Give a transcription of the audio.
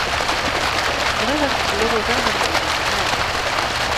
Tebɣiḍ ad teqqleḍ d aɣerman, naɣ?